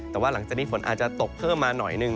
แต่ว่าหลังจากนี้ฝนอาจจะตกเพิ่มมาหน่อยหนึ่ง